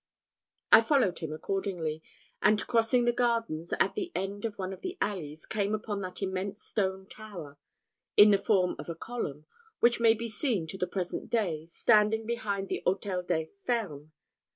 I followed him accordingly, and crossing the gardens, at the end of one of the alleys, came upon that immense stone tower, in the form of a column, which may be seen to the present day, standing behind the Hôtel des Fermes.